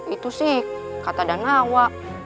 itu sih kata danawa